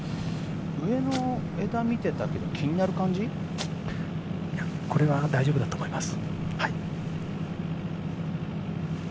上の枝を見てたけど気にこれは大丈夫だと思います。